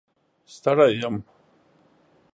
ستړی یم